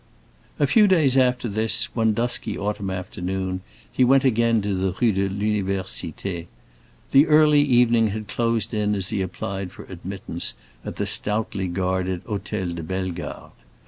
A few days after this, one dusky autumn afternoon, he went again to the Rue de l'Université. The early evening had closed in as he applied for admittance at the stoutly guarded Hôtel de Bellegarde.